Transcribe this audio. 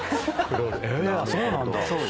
えそうなんだ。